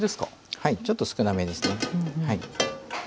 はいちょっと少なめですね。